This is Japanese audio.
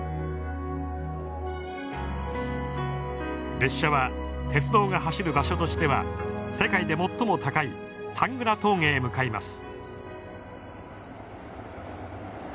列車は鉄道が走る場所としては世界で最も高いタングラ峠へ向かいます。